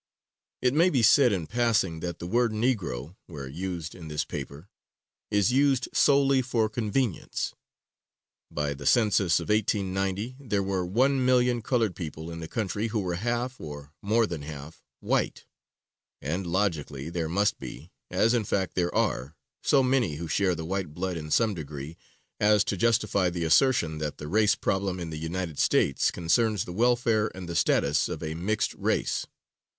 It may be said, in passing, that the word "Negro," where used in this paper, is used solely for convenience. By the census of 1890 there were 1,000,000 colored people in the country who were half, or more than half, white, and logically there must be, as in fact there are, so many who share the white blood in some degree, as to justify the assertion that the race problem in the United States concerns the welfare and the status of a mixed race.